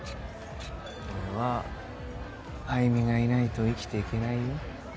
俺はアイミがいないと生きていけないよ